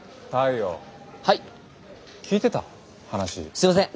すいません。